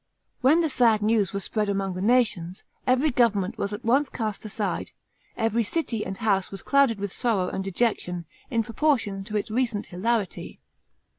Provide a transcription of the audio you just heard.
" When the sad news was spread among the nations, every enjoyment was 'A once cast aside, every city and house was clouded with sorrow and dejection, in proportion to its recent hilarity.